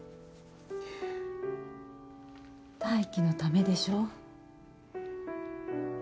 泰生のためでしょ？